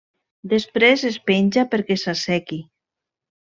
Després es penja perquè s'assequi.